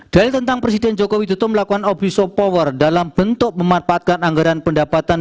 dalil tentang presiden jokowi tutup melakukan obisop power dalam bentuk memanfaatkan anggaran pendapatan